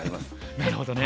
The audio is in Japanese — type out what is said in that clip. なるほどね。